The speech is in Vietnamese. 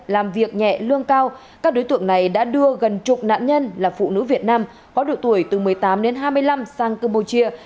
làm việc nhẹ lương cao các đối tượng này đã đưa gần chục nạn nhân là phụ nữ việt nam có độ tuổi từ một mươi tám đến hai mươi năm sang campuchia